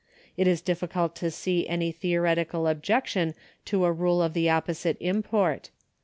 It is difficult to see any theoretical objection to a rule of the opjjosite import.